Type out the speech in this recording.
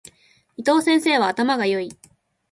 伊藤先生は頭が良い。